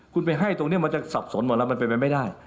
คุณไปให้ตรงนี้มันจะสับสนหมดแล้วมันเป็นไปไม่ได้